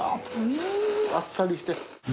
あっさりして。